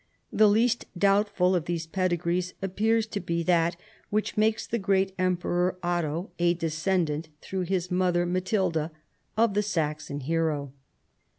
The least doubtful of these pedi grees appears to be that which makes the great Emperor Otho a descendant, through his mother Matilda, of the Saxon hero.